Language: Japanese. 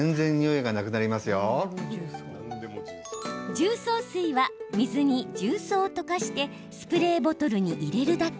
重曹水は、水に重曹を溶かしてスプレーボトルに入れるだけ。